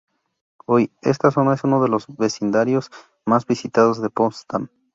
Hoy, esta zona es uno de los vecindarios más visitados de Potsdam.